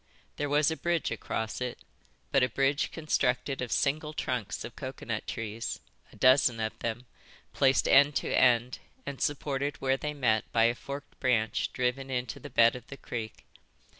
There was a bridge across it, but a bridge constructed of single trunks of coconut trees, a dozen of them, placed end to end and supported where they met by a forked branch driven into the bed of the creek.